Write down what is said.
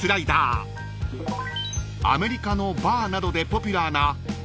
［アメリカのバーなどでポピュラーな］選びましょうか。